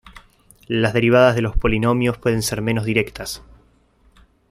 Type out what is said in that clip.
Las derivadas de los polinomios pueden ser menos directas.